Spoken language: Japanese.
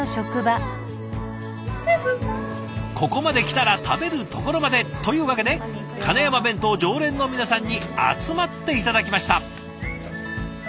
ここまで来たら食べるところまで！というわけで金山弁当常連の皆さんに集まって頂きました。